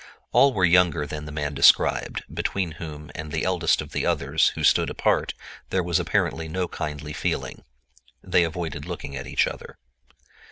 All were younger than the man described, between whom and the eldest of the others, who stood apart, there was apparently no kindly feeling. They avoided looking at each other.